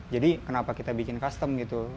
jadi kenapa kita bikin custom gitu